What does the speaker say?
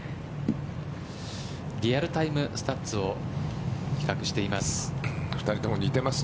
リアルタイムスタッツを比較しています。